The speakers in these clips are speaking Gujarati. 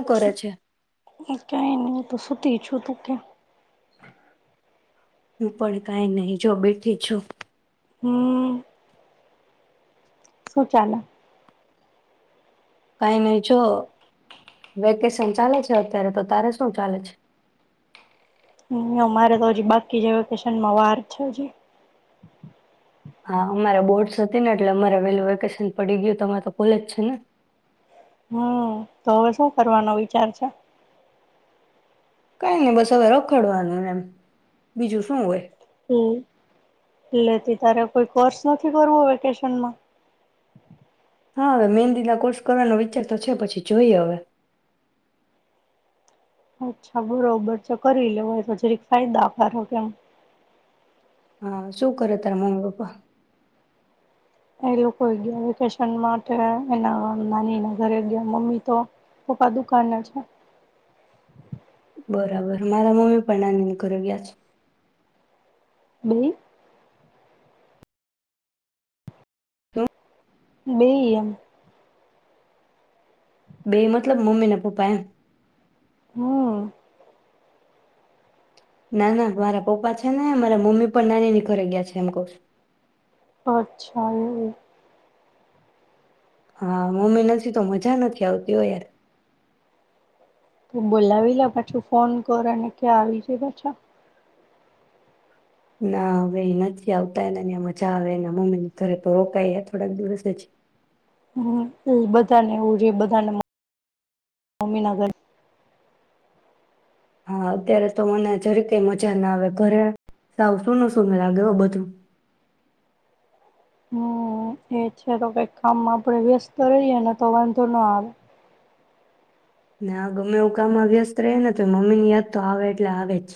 શું કરે છે? કઈ ન તો સુતી છું ત કે હું પણ કાંઈ નહીં જો બેીઠી છું હમ શું ચાાલ કઈ નહી જો વેકેશન ચાલે છે અત્યારે તો તારે શું ચાલે છે હ મારે તો હજી બાકી જે વેકેશનમાં વાર છે હજી હા અમારે બોર્ડસ હતી ને એટલે અમારે વેલું વેકેશન પડી ગયું તો અમારે તો કોલેજ છે ને હમ તો હવે શું કરવાનો વિચાર છે કઈ નઈ બસ હવે રખડવાનુંને એમ બીજું શું હોય હમ એટલેથી તારે કોઈ કોર્સ નથી કરવો વેકેશનમાં હા હવે મેહેંદી ના કોર્સ કરવાનો વિચાર તો છે પછી જોઈએ હવે અચ્છા બરોબર તો કરી લેવાય તો જરીક ફાયદા કરો કેમ હા શું કરે તાર મમ્મી પપ્પા એ લોકો ગયા વેકેશન માટે એના નાની ના ઘરે ગયા મમ્મી તો પપ્પા દુકાન છે બરાબર મારા [unintelligible] પણ નાની કર્યા છે બ શું? બે એમ બે મતલબ મમ્મી ને પપ્પા એમ હમ ના ના મારા પપ્પા છે ને મારા મમ્મી પણ નાનીની ઘરે ગયા છે એમ ક અચ્છા એ હા મમ્મી નથી તો મજા નથી આવતી હો યાર તું બોલાવી લે પાછું ફોન કરને ક્યાં આવી જાય પાછા ના હવે એ નથી આવતા એના ની મજા આવે એ મમ્મી ને ઘરે તો રોકાાય થોડાક દિવસ જ હમ બધાનેવું છે બધાને મમ્મી ના ઘર હા અત્યારે તો મને જરી કઈ મજા ના આવે ઘરે સાવ શું ન શું મને લાગે બધું હમ એ છે તો કઈક કામમાં આપડે વ્યસ્ત રહીએે ને તો વાંધો ના આવે ના ગમે એવું કામ વ્યસ્ત રહેને તો મમ્મી ની યાદ તો આવે એટલે આવે જ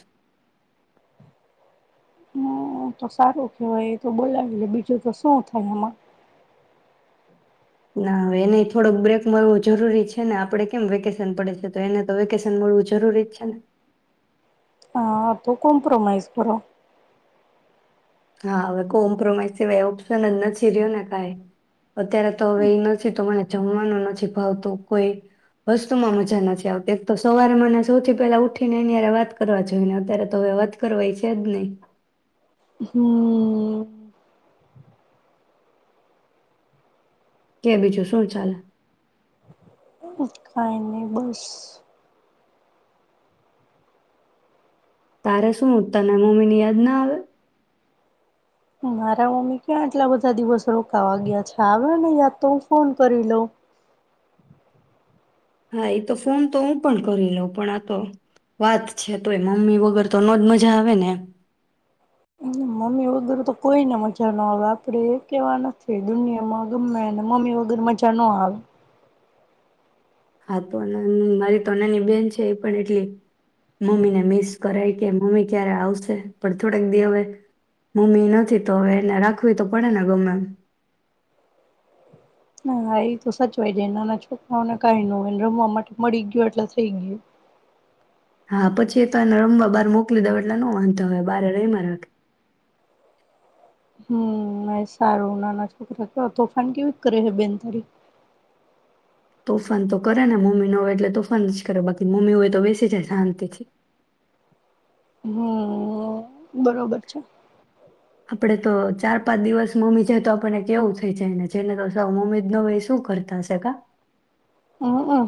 હ તો સારું કેવાય એ તો બોલાવી લે બીજું તો શું થાય એમાં ના હવે એને થોડોક બ્રેક મળવો જરૂરી છે ને આપડે કેમ વેકેશન પડે છે તો એને તો વેકેશન મળવું જરૂરી જ છે ને હા અ કોમ્પ્રમઈઝ કરો હા હવે કોમ્પ્રોમાઈઝ સિવાય ઓપ્શન જ નથી રહ્યો ને કાઈ અત્યારે તો હવે એ નથી તો મને જમવાનું નથી ભાવતું કોઈ વસ્તુમાં મજા નથી આવતી એક તો સવારે મને સૌથી પહેલા ઉઠીને્યારે વાત કરવા જોઈ ને અત્યારે તો હવે વાત કરવા એ છે જ નહી હમ. કે બીજું શું ચાલે. ક નની બસ તારે શું તને મમ્મીની યાદ ના આવે. મારા મમ્મી ક્યાં આટલા બધા દિવસ રોકાવા ગયા છે, આવે ને યાદ તો હું ફોન કરીં લઉ. હા ઈ તો ફોન તો હું પણ કરી લઉં, પણ આ તો વાત છે તોય મમ્મી વગર તો નો જ મજા આવે ને એમ. મમ્મી વગર તો કોઈને મજા ન આવે, આપડી એક એવા નથી, દુનિયામાં ગમે એને મમ્મી વગર મજા ન આવે. હા તો નન મારી તો નાની બેન છે, એ પણ એટલી મમ્મીને મિસ કરાય કે મમ્મી ક્યારે આવશે, પણ થોડાક દી હવે મમ્મી નથી તો હવે એને રાખવી તો પડે ને ગમે એમ. હા ઈ તો સચવાય જાય. નાના છોકરાઓને કાઈ નો હોય, એને રમવા માટે મળી ગયું એટલે થઈ ગયું. હા પછી ઈ તો એને રમવા બાર મોકલી દઉ એટલે નો વાંધો આવે બહારે રયમાં રાખે. હમ્મ, એ સારું. નાના છોકરા કેવા તોફાન કેવીક કરે હે બેન તારી? તોફાન તો કરે ને, મમ્મી ન હોય એટલે તોફાન જ કરે, બાકી મમ્મી હોય તો બેસી જાય શાંતિ થી. હમ્મ, બરોબર છે. આપડે તો ચાર પાંચ દિવસ મમ્મી જાય તો આપણને કેવું થઈ જાય, ને જેને તો મમ્મી સાવ જ ન હોય એ શું કરતા હશે કા. હમ્મ-હમ્મ.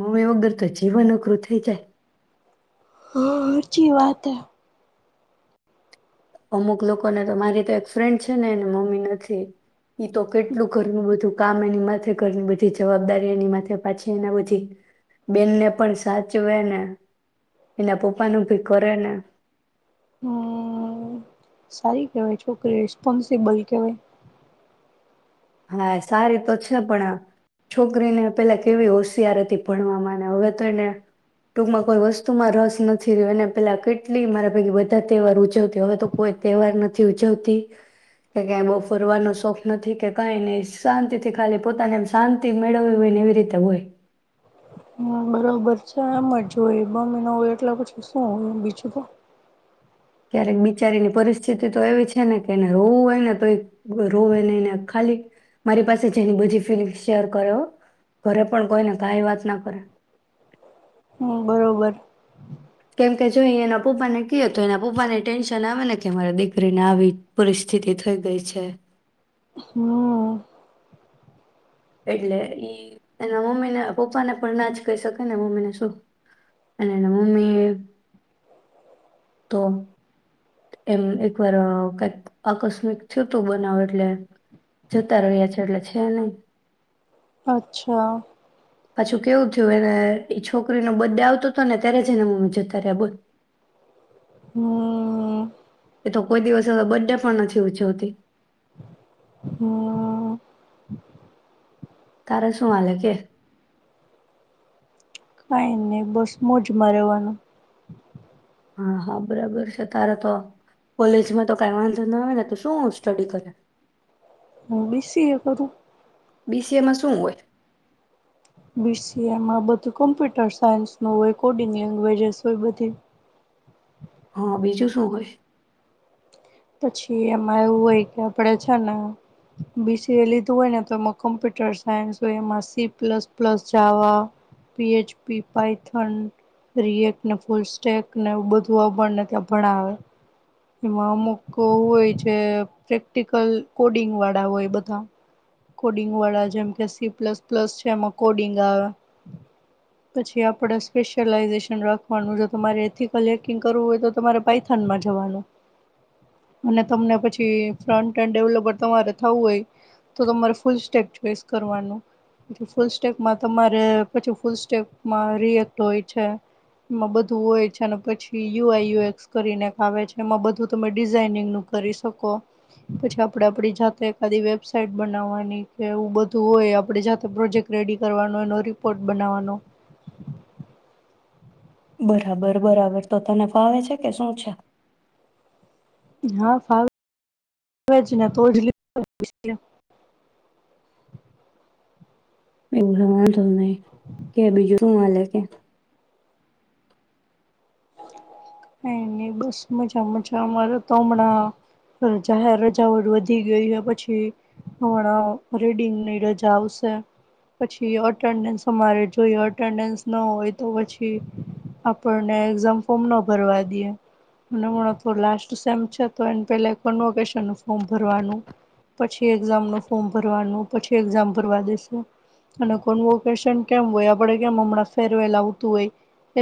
મમ્મી વગર તો જીવન અઘરું થઇ જાય. હાચી વાત હે. અમુક લોકોને તો મારી તો એક ફ્રેન્ડ છે ને એને મમ્મી નથી, ઈ તો કેટલું ઘરનું બધું કામ એની માથે ઘરની બધી જવાબદારી, એની માથે પાછી એના બધી બેનને પણ સાચવે ને, એના પપ્પાનું ભી કરે ને હમ સારી કહેવાય છોકરી, ઈ રિસ્પોન્સિબલ કહેવાય. હા સારી તો છે, પણ આ છોકરીને પેલા કેવી હોશિયાર હતી ભણવામાં ને, હવે તો એને ટૂંકમાં કોઈ વસ્તુમાં રસ નથી રહ્યો, એને પેલા કેટલી મારે ભેગી બધા તહેવાર ઉજવતી, હવે તો કોઈક તહેવાર નથી ઉજવતી, કે કે એન બહું ફરવાનો શોખ નથી કે કાઈ નહીં, શાંતિ થી ખાલી પોતાને એમ શાંતિ મેળવવી હોય ને એવી રીતે હોય. બરબર છે. આમ જ હોય. મમ્મી ન હોય એટલે પછી શું હોય બીજું તો. ક્યારેક બિચારીની પરિસ્થિતિ તો એવી છે ને કે એને રોવું હોય ને તો રોવે નહીં ને ખાલી મારી પાસે જે એની બધી ફિલિંગ શેર કરે હો, ઘરે પણ કોઈને કાઈ વાત ન કરે. હમ્મ, બરોબર. કેમ કે જો ઈ એના પપ્પાને કીએ તો એના પપ્પાનેય ટેન્શન આવે ને કે મારી દીકરીને આવી પરિસ્થિતિ થઈ ગઈ છે. હમ એટલે ઈ એના મમ્મીને પપ્પાને પણ ના જ કહી શકે ને મમ્મીને શું, અને એના મમ્મી તો એમ એકવાર અહ કાઈક આકસ્મિક થયું તું બનાવ, એટલે જતા રહ્યા છે, એટલે છે નહી. અચ્છા. પાછું કેવું થયું એને ઈ છોકરીનો બડે આવતો તો ને ત્યારે જ એના મમ્મી જતા રહ્યા બોલ. હ. એ તો કોઈ દિવસ હવે બડે પણ નથી ઉજવતી. હ. તારે શું હાલે કે. કઈ નહી બસ મોજમાં રેવાનુ. હા હા બરાબર છે તારે તો કોલેજમાં તો કઈ વાંધો ના આવે ને તો શું સ્ટડી કરે. હું બી સી અ કરું. બી સી એ માં શું હોય. બી સી એ માં બધું કોમ્પ્યુટર સાયન્સનુ હોય કોડિંગ લેંગ્વેજસ હોય બધી. હા બીજું શું હોય. પછી એમાં એવું હોય કે આપણેે છે ને બીસીએ લીધું હોય ને તો એમાં કોમ્પ્યુટર સાયન્સ હોય એમાં C plus plus Java, Python રએકને ફૂલ સેકને બધુંને ત્યાં ભણાવે એમાં અમુક કો હોય છે. પ્રેક્ટિકલ કોડિંગ વાળા હોય બધા કોડિંગ વાળા જેમ કે સી પ્લસ પ્લસ છે એમાં કોડિંગ આવે પછી આપ સ્પેશલાઝેશન રાખવાનું જો તમારે અથીકલ હેકિંગ કરવું હોય તો તમારે પાઇથાનમાં જવાનું. અને તમને પછી ફ્રન્ટન ડેવલપર તમારે થવું હોય તો તમારે ફૂલ સેક ચોઈસ કરવાનું ફૂલ સ્ટેકમાં તમારે પછી ફૂલ સ્ટેકમાં રિએક્ટ હોય છે એમાં બધું હોય છે પછી યુ આયુક્સ કરીને આવે છે એમાં બધું તમે ડિઝઇનિંગ નું કરી શકો પછી આપણે આપડી જાતે એકાદી વેબસાઇટ બનાવવાની કે એવુ બધું હોય આપણે જાતે પ્રોજેક્ટ રેડી કરવાનો એનો રિપોર્ટ બનાવાનો. બરાબર બરાબર તો તને ફાવે છે કે શું છે. હા ફાવેને તો જ ને તોજ લીધું ને બી. સી. એ. એવું વાંધો નહી કે બીજું શું હાલે કે કઈ ની બસ મજા મજા અમારે તો હમણાં રજા હૈ રાજાઓ વધી ગઈ પછી હમણા રીડિંગની રજા આવશે પછી અટેન્ડન્સ અમારે જોઈએ અટેન્ડન્સ ના હોય તો પછી આપણને એક્ઝામ ફોર્મ ન ભરવા દીય. ને હમણાં તો લાસ્ટ સેમ છે તો એના પેલા એક કન્વેકશન નુ ફોર્મ ભરવાનું પછી એક્ઝામનુ ફોર્મ ભરવાનુ. પછી એક્ઝામ ભરવા દેશે. અને કન્વેકેશન કેમ હોય આપણે કેમ હમણાં ફેરવેલ આવતું હોય.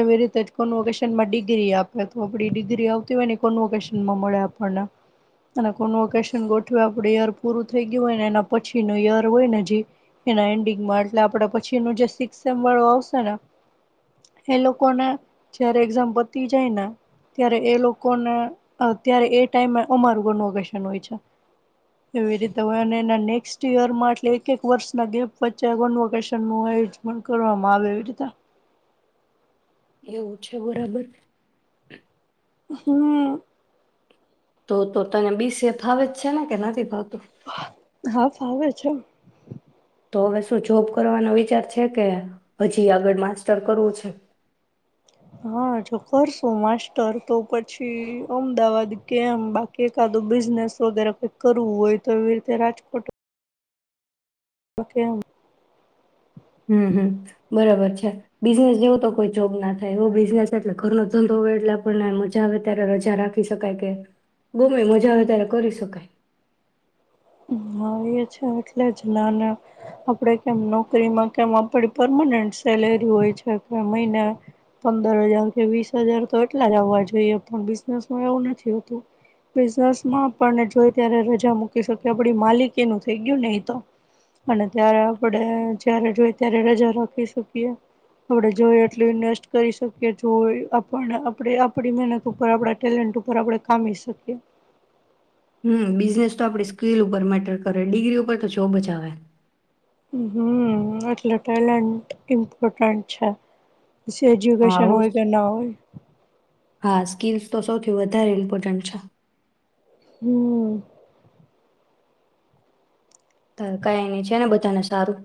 એવી રીતે જ કન્વેકશન માં ડિગ્રી આપે તો આપણી ડિગ્રી આવતી હોય ને એ કોન્વોકેશનમાં મળે આપણને. અને કોનવોકેશન ગોઠવે પ્રેયર પૂરું થઈ ગયું હોય એના પછીનો યર હોયને જે એના એન્ડિંગમાં એટલે આપણા પછીનો જે સિકમ વાળુ આવશે ને એ લોકોને જ્યારે એક્ઝામ પતી જાય ને ત્યારે એ લોકોને અ ત્યારે એ ટાઈમે અમારું કોનવોકેશન હોય છે એવી રીતે હોય એના નેક્સ્ટ યયરમાં એટ એક એક વર્ષના ગેપ વચ્ચે કોનવોકેશનનુ આયોજન કરવામાં આવે એવી રીતે. એવું છે બરાબર હમ્મ. તો તને બી. સી. એ ફાવે જ છે ને કે નથી ફાવતું. હા ફાવ અછ તો હવે શું જોબ કરવાનો વિચાર છે કે હજી આગળ માસ્ટર કરવું છે હા જો કરશું માસ્ટર તો પછી અમદાવાદ કેમ બાકી એકાદું બિઝનેસ વગેરે કઈક કરવું હોય તો એવી રીતે રાજકોટ બાકી એમ હમ હમ બરાબર બિઝનેસ જેવો તો કોઈ જોબ ના થાય એવો બિઝનેસ એટલે ઘરનો ધંધો હો એટલે આપણને મજા આવે ત્યારે રજા રાખી શકાય કે ગમે મજા આવે ત્યારે કરી શકાય હા એ છે એટલે જ નાના આપડે કેમ નોકરીમાં કેમ આપડી પરમાનન્ટ સેલેરી હોય છે કે મહિને પંદર હજાર કે વીસ હજાર તો એટલા જ આવવા જોઈએ પણ બિઝનેસમાં એવું નથી હોતું બિઝનેસમાં આપણને જોઈ ત્યારે રજા મૂકી શકે આપડી માલિકીનું થઈ ગયું નહી તો અને ત્યારે આપણે જ્યારે જોઈ ત્યારે રજા રાખી શકીએ આપણે જો એટલું ઇન્વેસ્ટ કરી શકીએ આપણી મહેનત ઉપર આપણા ટેલેન્ટ ઉપર આપણે કામી શકીએ હમ બિઝનેસ તો આપણે સ્કીિલ ઉપર મેટર કરે ડિગ્રી ઉપર તો જોબ જ આવે હમ એટલે ટેલેન્ટ ઇમ્પોર્ટન્ટ છે પછી હા એજુકેશન હો હોય કે ના હોય હા સ્કીિલ્સ તો સૌથી વધારે ઇમ્પોર્ટન્ટ છે હમ્મ કઈની છે ને બધાને સારું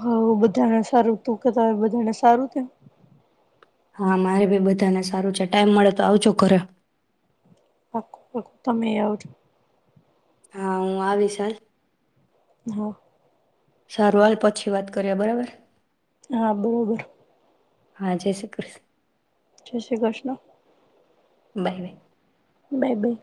હા બધાને સારું તું કેતા બધાને સારું ને હા મારે ભી બધાને સારું છે ટાઈમ મળે તો આવજો ઘરે પાકું પાકું તમે એ આવજો હા હું આવીશ હાલ હા સારું હાલ પછી વાત કર્યા બરાબર હા બરોબર હા જય શ્રી કૃષ્ણ જય Shri Krishna bye bye baby